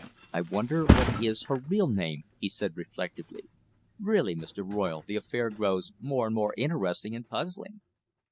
"I wonder what is her real name?" he said, reflectively. "Really, Mr. Royle, the affair grows more and more interesting and puzzling."